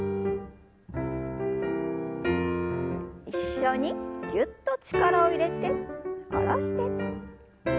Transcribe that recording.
一緒にぎゅっと力を入れて下ろして。